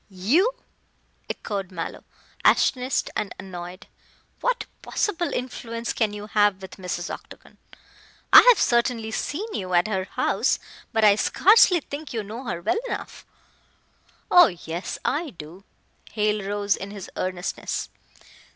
"You!" echoed Mallow, astonished and annoyed. "What possible influence can you have with Mrs. Octagon. I have certainly seen you at her house, but I scarcely think you know her well enough " "Oh, yes, I do." Hale rose in his earnestness.